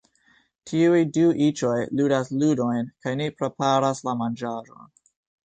Tiuj du iĉoj ludas ludojn kaj ni preparas la manĝaĵon